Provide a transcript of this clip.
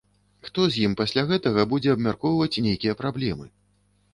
Хто з ім пасля гэтага будзе абмяркоўваць нейкія праблемы?